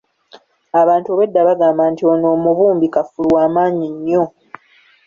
Abantu obwedda bagamba nti ono omubumbi kafulu w'amaanyi nnyo.